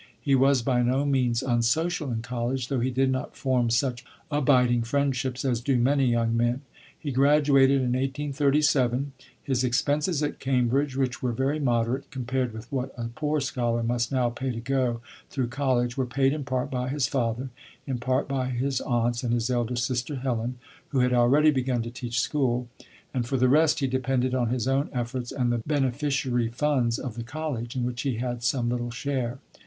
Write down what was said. He was by no means unsocial in college, though he did not form such abiding friendships as do many young men. He graduated in 1837. His expenses at Cambridge, which were very moderate, compared with what a poor scholar must now pay to go through college, were paid in part by his father, in part by his aunts and his elder sister, Helen, who had already begun to teach school; and for the rest he depended on his own efforts and the beneficiary funds of the college, in which he had some little share.